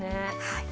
はい。